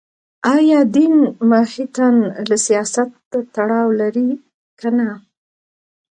ایا دین ماهیتاً له سیاست تړاو لري که نه